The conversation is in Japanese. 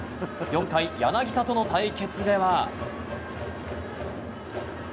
４回、柳田との対決では。